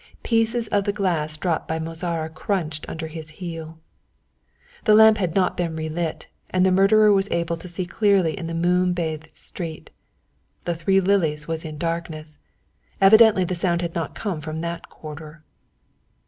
Pieces of the glass dropped by Mozara crunched under his heel. The lamp had not been relit, and the murderer was able to see clearly into the moon bathed street. The Three Lilies was in darkness evidently the sound had not come from that quarter.